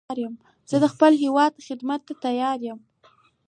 زه د خپل هېواد خدمت ته تیار یم